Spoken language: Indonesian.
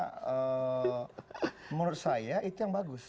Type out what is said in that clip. karena menurut saya itu yang bagus